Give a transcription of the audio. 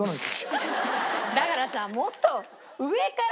だからさもっと上から。